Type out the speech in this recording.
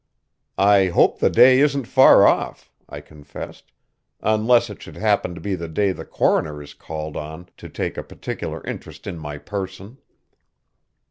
"I hope the day isn't far off," I confessed, "unless it should happen to be the day the coroner is called on to take a particular interest in my person."